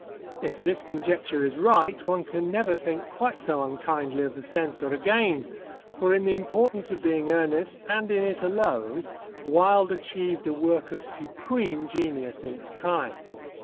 If this conjecture is right, one can never think quite so unkindly of the Censor again, for in The Importance of Being Earnest, and in it alone, Wilde achieved a work of supreme genius in its kind.